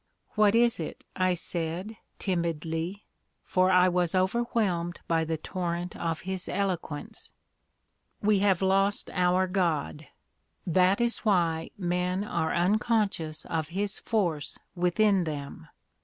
"What is it?" I said, timidly, for I was overwhelmed by the torrent of his eloquence. "We have lost our God! That is why men are unconscious of His force within them.